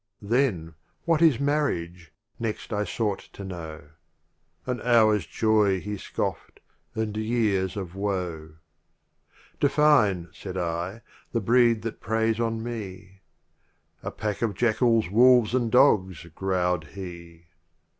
Then, "What is Marriage?" next I sought to know. "An hour* s joy" he scoffed, " and years of woe.* * "Define, said I, "the breed that prey on me. "A pack of jackals, wolves and dogs! growled he.